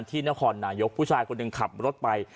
ที่นครนายกผู้ชายคนหนึ่งขับรถไป